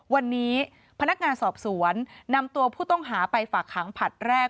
วันนี้พนักงานสอบสวนนำตัวผู้ต้องหาไปฝากขังผลัดแรก